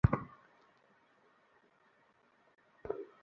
একজন প্রত্যক্ষদর্শী আছে, স্যার।